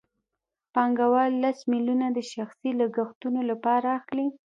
پانګوال لس میلیونه د شخصي لګښتونو لپاره اخلي